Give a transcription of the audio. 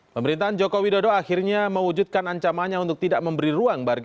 pemerintahan joko widodo akhirnya mewujudkan ancamannya untuk tidak memberi ruang